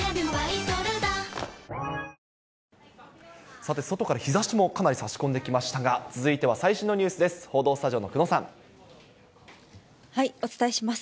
さて、外から日ざしもかなり差し込んできましたが、続いては最新のニュースです。